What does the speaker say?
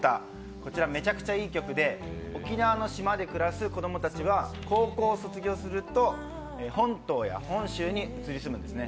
こちら、めちゃくちゃいい曲で沖縄の島で暮らす子供たちは高校を卒業すると本島や本州に移り住むんですね。